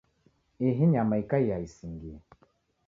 Ihi nyama ikaia isingie.